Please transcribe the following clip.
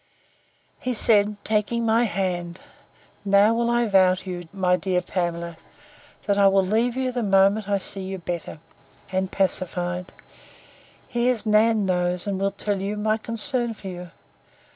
He said, taking my hand, Now will I vow to you, my dear Pamela, that I will leave you the moment I see you better, and pacified. Here's Nan knows, and will tell you, my concern for you.